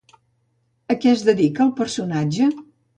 A què es dedica el personatge?